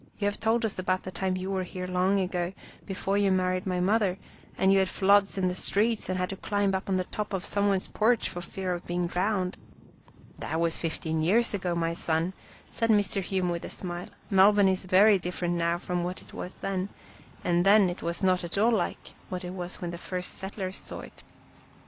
You have told us about the time you were here long ago, before you married my mother, and you had floods in the streets and had to climb up on top of some one's porch for fear of being drowned." " That was fifteen years ago, my son," said Mr. Hume with a smile. " Melbourne is very different now from what it was then, and then it was not at all like it was when its first settlers saw it.